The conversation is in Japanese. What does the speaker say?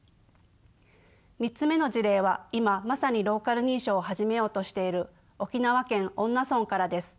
３つ目の事例は今まさにローカル認証を始めようとしている沖縄県恩納村からです。